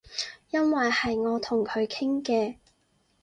因爲係我同佢傾嘅